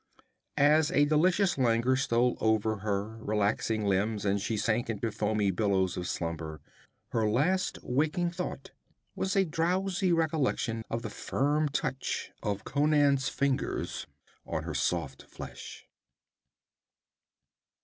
As a delicious languor stole over her relaxing limbs and she sank into foamy billows of slumber, her last waking thought was a drowsy recollection of the firm touch of Conan's fingers on her soft flesh.